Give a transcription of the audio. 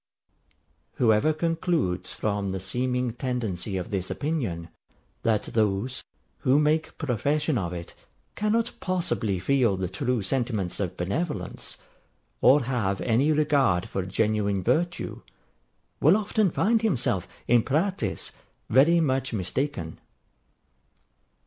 Whoever concludes from the seeming tendency of this opinion, that those, who make profession of it, cannot possibly feel the true sentiments of benevolence, or have any regard for genuine virtue, will often find himself, in practice, very much mistaken.